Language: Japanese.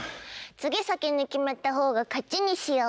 次先に決めたほうが勝ちにしよう。